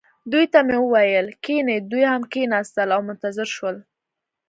دوی ته مې وویل: کښینئ. دوی هم کښېنستل او منتظر شول.